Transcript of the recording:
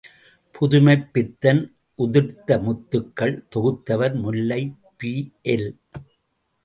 புதுமைப்பித்தன் உதிர்த்த முத்துக்கள் தொகுத்தவர் முல்லை பிஎல்.